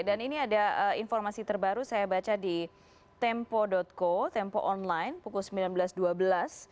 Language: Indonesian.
ini ada informasi terbaru saya baca di tempo co tempo online pukul sembilan belas dua belas